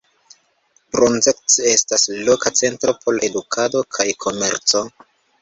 Brzostek estas loka centro por edukado kaj komerco.